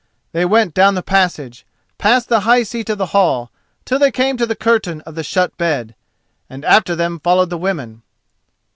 They went down the passage, past the high seat of the hall, till they came to the curtain of the shut bed; and after them followed the women.